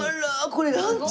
これランチ？